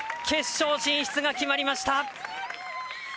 決勝進出が決まりました。